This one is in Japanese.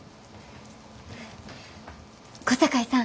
小堺さん。